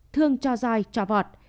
thương cho roi cho vọt